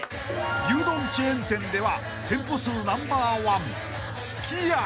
［牛丼チェーン店では店舗数ナンバーワン］